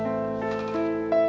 gak ada apa apa